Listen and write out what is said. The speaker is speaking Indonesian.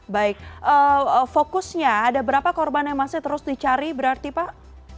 baik fokusnya ada berapa korban yang masih terus dicari berarti pak